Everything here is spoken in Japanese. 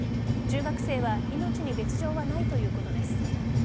中学生は命に別条はないということです。